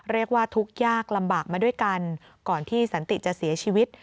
เรียกว่าทุกข์ยากลำบากมาด้วยกันก่อนที่สันติจะเสียชีวิต